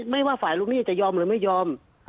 ไม่ว่าฝ่ายลูกหนี้จะยอมหรือไม่ยอม